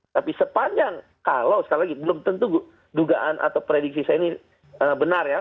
tapi sepanjang kalau sekali lagi belum tentu dugaan atau prediksi saya ini benar ya